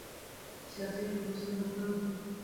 سیاسي پروسه د خلکو حق دی